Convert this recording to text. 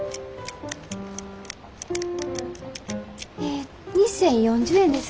え２，０４０円です。